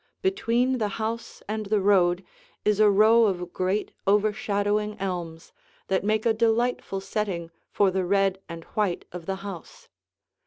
Between the house and the road is a row of great overshadowing elms that make a delightful setting for the red and white of the house.